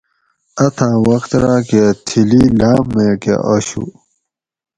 اتھاں وخت راۤ کہ تھلی لام میکہ آشو